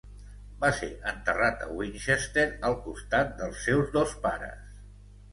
Va ser enterrat a Winchester al costat dels seus dos pares.